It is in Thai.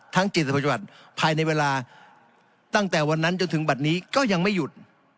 จิตปฏิบัติภายในเวลาตั้งแต่วันนั้นจนถึงบัตรนี้ก็ยังไม่หยุด